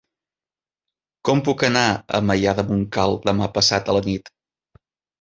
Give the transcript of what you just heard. Com puc anar a Maià de Montcal demà passat a la nit?